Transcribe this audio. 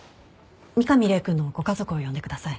三上礼くんのご家族を呼んでください。